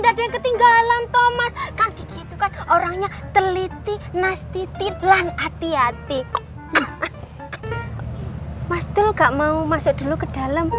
handin harusnya kamu itu bersyukur karena punya suami seperti al